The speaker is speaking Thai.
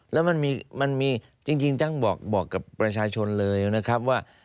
แล้วมันมีจริงต้องบอกกับประชาชนเลยนะครับว่า